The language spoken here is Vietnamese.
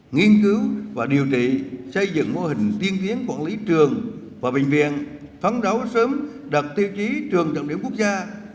nghiên cứu và điều trị xây dựng mô hình tiên tiến quản lý trường và bệnh viện phán đấu sớm đặt tiêu chí trường trọng điểm quốc gia